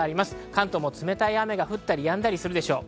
関東も冷たい雨が降ったりやんだりするでしょう。